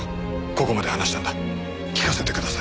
ここまで話したんだ聞かせてください。